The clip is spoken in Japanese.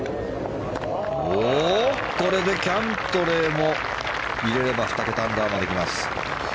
これでキャントレーも入れれば２桁アンダーまできます。